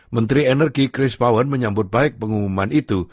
menteri energi chris powen menyambut baik pengumuman itu